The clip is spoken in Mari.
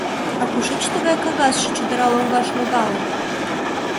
— А кушеч тыгай кагазше чодыра лоҥгаш логалын?